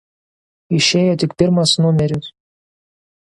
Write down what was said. Išėjo tik pirmas numeris.